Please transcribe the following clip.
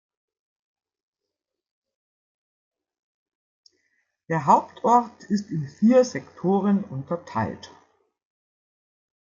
Der Hauptort ist in vier Sektoren unterteilt.